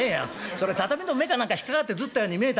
それ畳の目か何か引っ掛かってずったように見えたんだ。